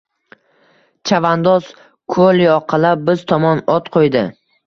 Chavandoz koʼl yoqalab biz tomon ot qoʼydi…